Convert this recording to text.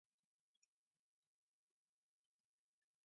It is part of the Fens.